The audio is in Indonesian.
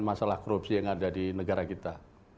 masalah korupsi yang ada di negara kita